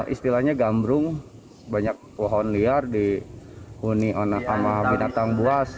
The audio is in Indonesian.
istilahnya gambrung banyak pohon liar dihuni sama binatang buas